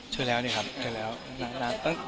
เจอแล้วดิครับเจอแล้วตั้งนานแล้วครับ